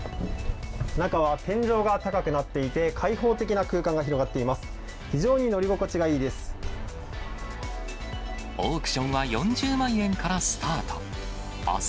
中は天井が高くなっていて、開放的な空間が広がっています。